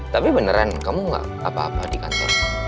tapi beneran kamu gak apa apa di kantor